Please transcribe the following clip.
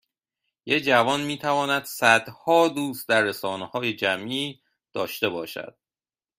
یک جوان میتواند صدها دوست در رسانههای جمعی داشته باشد